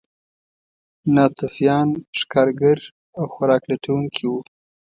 ناتوفیان ښکارګر او خوراک لټونکي وو.